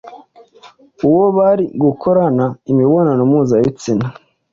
uwo bari gukorana imibonano mpuzabitsina,